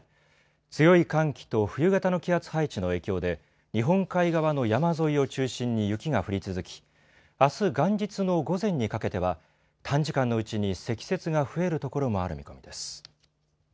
強い寒気と冬型の気圧配置の影響で日本海側の山沿いを中心に雪が降り続きあす元日の午前にかけては短時間のうちに積雪が増えるところもある見込みです。